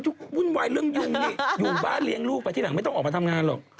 จริงแน่อยู่ที่นี่ก็คัน